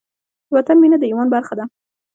د وطن مینه د ایمان برخه ده.